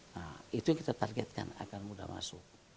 nah itu yang kita targetkan agar muda masuk